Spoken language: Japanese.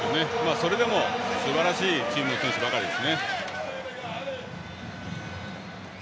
それでもすばらしい選手ばかりです。